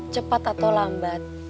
cepat atau lambat